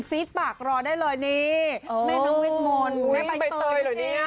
ฟีสต์ปากรอได้เลยนี่แม่น้องเวทมนต์โอ้ยแม่ใบเตยเหรอเนี้ย